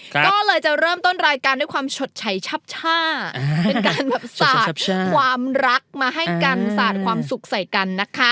ก็เลยจะเริ่มต้นรายการด้วยความชดใช้ชับช่าเป็นการแบบสาดความรักมาให้กันสาดความสุขใส่กันนะคะ